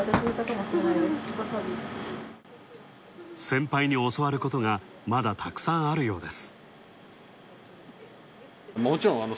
先輩に教わることが、まだ、たくさんあるようです。